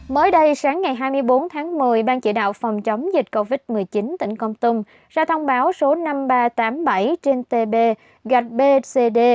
mới đây sáng ngày hai mươi bốn tháng một mươi ban chỉ đạo phòng chống dịch covid một mươi chín tỉnh con tum ra thông báo số năm nghìn ba trăm tám mươi bảy trên tb gạch bcd